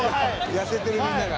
痩せてるみんなが。